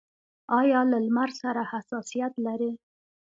ایا له لمر سره حساسیت لرئ؟